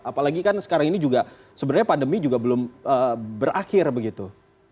apalagi kan sekarang ini juga sebenarnya pandemi juga belum berakhir begitu